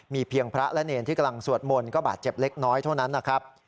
เพียงพระและเนรที่กำลังสวดมนต์ก็บาดเจ็บเล็กน้อยเท่านั้นนะครับ